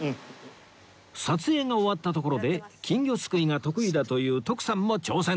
撮影が終わったところで金魚すくいが得意だという徳さんも挑戦